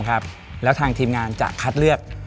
แล้วทางทีมงานจะคัดเลือก